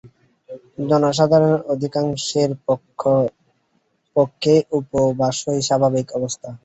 জনসাধারণের অধিকাংশের পক্ষে উপবাসই স্বাভাবিক অবস্থা।